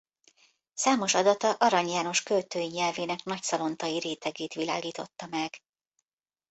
Számos adata Arany János költői nyelvének nagyszalontai rétegét világította meg.